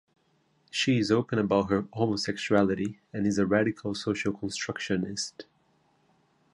She is open about her homosexuality, and is a radical social constructionist.